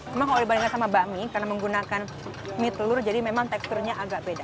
memang kalau dibandingkan sama bakmi karena menggunakan mie telur jadi memang teksturnya agak beda